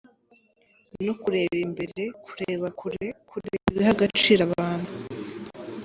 No kureba imbere, kureba kure, kureba ibiha agaciro abantu.”